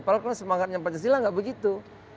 padahal semangatnya pancasila nggak begitu